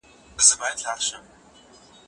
خپل پخوانۍ غلطۍ په خپله سمې کړه.